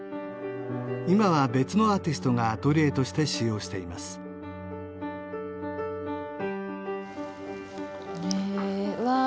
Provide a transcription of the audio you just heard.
今は別のアーティストがアトリエとして使用していますへえうわー